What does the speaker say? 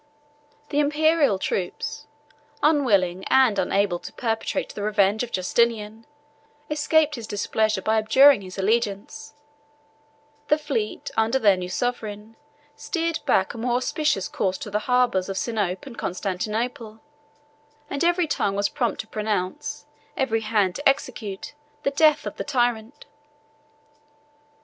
The Imperial troops, unwilling and unable to perpetrate the revenge of Justinian, escaped his displeasure by abjuring his allegiance: the fleet, under their new sovereign, steered back a more auspicious course to the harbors of Sinope and Constantinople; and every tongue was prompt to pronounce, every hand to execute, the death of the tyrant.